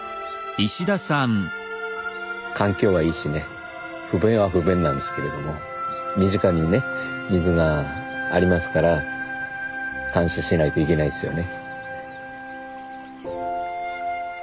環境はいいしね不便は不便なんですけれども身近にもね水がありますから感謝しないといけないっすよね。